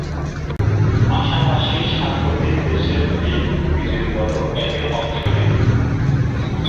পাশাপাশি স্বাগতিক দেশের লীগ বিজয়ী দলও এতে অংশ নেয়।